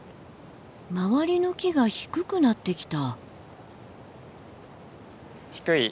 周りの木が低くなってきた。